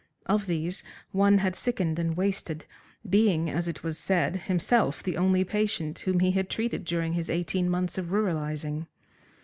Of these one had sickened and wasted, being, as it was said, himself the only patient whom he had treated during his eighteen months of ruralising.